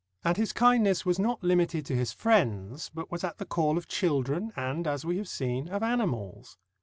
And his kindness was not limited to his friends, but was at the call of children and, as we have seen, of animals.